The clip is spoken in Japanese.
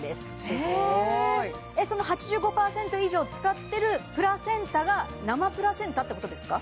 その８５％以上使ってるプラセンタが生プラセンタってことですか？